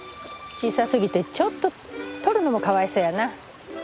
小さすぎてちょっととるのもかわいそうやな。